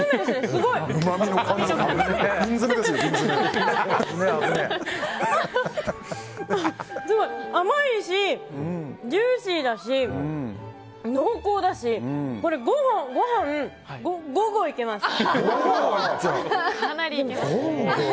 すごい！甘いし、ジューシーだし濃厚だしこれ、ご飯５合いけます！